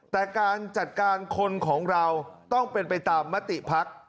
แต่การจัดการคนของเราต้องเป็นไปตามมติภักดิ์